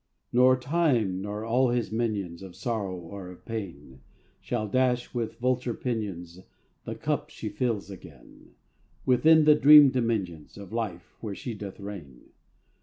Nor time nor all his minions Of sorrow or of pain, Shall dash with vulture pinions The cup she fills again Within the dream dominions Of life where she doth reign.